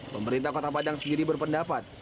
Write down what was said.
pemerintah kota padang sendiri berpendapat